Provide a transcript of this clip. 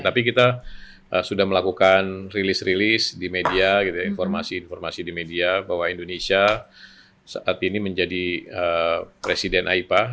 tapi kita sudah melakukan rilis rilis di media informasi informasi di media bahwa indonesia saat ini menjadi presiden aipa